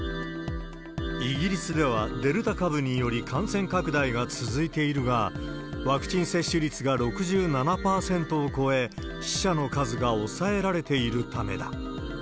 イギリスでは、デルタ株により感染拡大が続いているが、ワクチン接種率が６７％を超え、死者の数が抑えられているためだ。